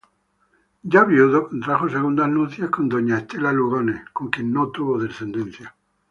Ya viudo, contrajo segundas nupcias con doña Estela Lugones, con quien no tuvo descendencia.